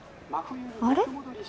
あれ？